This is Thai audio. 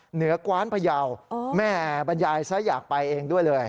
เหนือกว้านพยาวแม่บรรยายซะอยากไปเองด้วยเลย